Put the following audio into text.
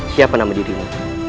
siapa nama dirimu